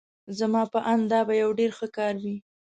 زما په آند دا به یو ډېر ښه کار وي.